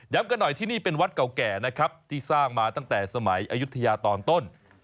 กันหน่อยที่นี่เป็นวัดเก่าแก่นะครับที่สร้างมาตั้งแต่สมัยอายุทยาตอนต้น